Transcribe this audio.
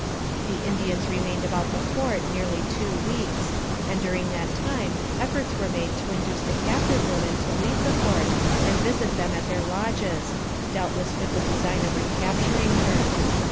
The Indians remained about the fort nearly two weeks, and during that time efforts were made to induce the captive woman to leave the fort and visit them at their lodges, doubtless with the design of recapturing her.